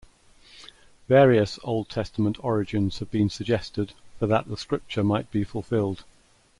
Various Old Testament origins have been suggested for that the scripture might be fulfilled.